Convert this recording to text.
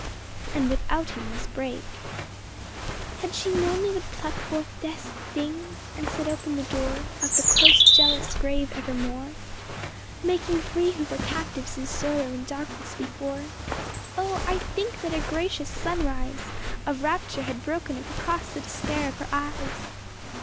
And without him must break; Had she known they would pluck forth death's sting And set open the door Of the close, jealous grave evermore. Making free who were captives in sorrow and dark ness before. Oh, I think that a gracious sunrise Of rapture had broken across the despair of her eyes!